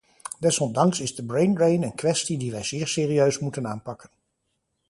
Desondanks is de braindrain een kwestie die wij zeer serieus moeten aanpakken.